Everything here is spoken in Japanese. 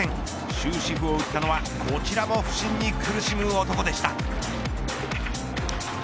終止符を打ったのはこちらも不振に苦しむ男でした。